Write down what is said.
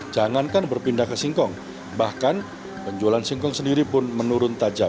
jangankan berpindah ke singkong bahkan penjualan singkong sendiri pun menurun tajam